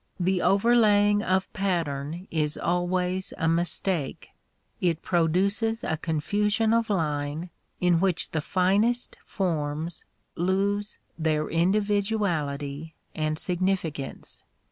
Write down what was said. The overlaying of pattern is always a mistake. It produces a confusion of line in which the finest forms lose their individuality and significance.